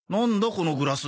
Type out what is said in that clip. このグラス。